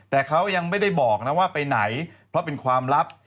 แต่เขายังไม่ได้บอกนะว่าไปไหนเพราะเป็นความลับ